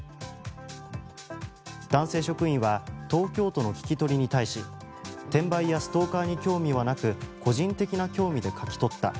男性職員は東京都の聞き取りに対し転売やストーカーに興味はなく個人的な興味で書き取った。